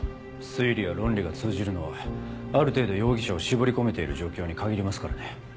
推理や論理が通じるのはある程度容疑者を絞り込めている状況に限りますからね。